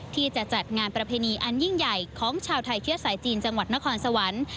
ที่จะจัดงานประเพณีอันยิ่งใหญ่ของชาวไทยเชื้อสายจีนจังหวัดนครสวรรค์